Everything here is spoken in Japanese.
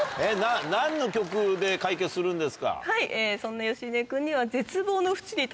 何の曲で解決するんですか？